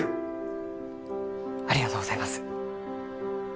ありがとうございます。